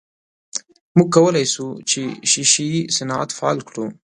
موږ کولای سو چې ښیښه یي صنعت فعال کړو.